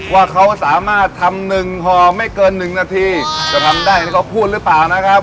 ว่าเขาสามารถทำหนึ่งห่อไม่เกินหนึ่งนาทีจะทำได้ที่เขาพูดหรือเปล่านะครับ